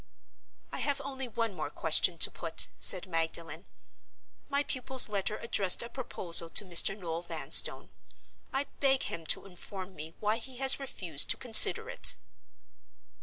"I have only one more question to put," said Magdalen. "My pupil's letter addressed a proposal to Mr. Noel Vanstone. I beg him to inform me why he has refused to consider it."